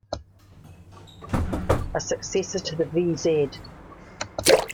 A successor to the vz.